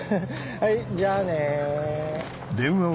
はいじゃあね。